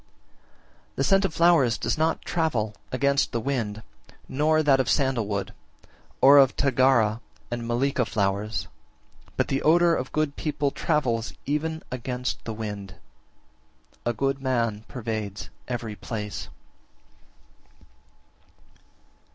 54. The scent of flowers does not travel against the wind, nor (that of) sandal wood, or of Tagara and Mallika flowers; but the odour of good people travels even against the wind; a good man pervades every place.